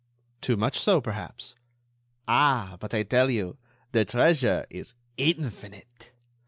"Too much so, perhaps." "Ah! but I tell you, the treasure is infinite.